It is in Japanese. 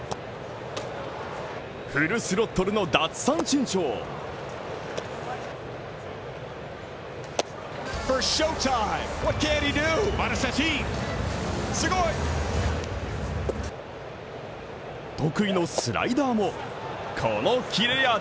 フルスロットルの奪三振ショー得意のスライダーも、この切れ味